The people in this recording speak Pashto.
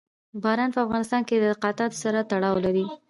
باران په افغانستان کې له اعتقاداتو سره تړاو لري.